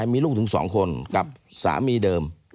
มีลูกถึง๒คนกับสามีเดิม